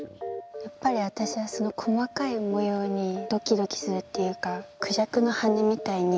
やっぱり私は細かい模様にドキドキするっていうかクジャクの羽根みたいに。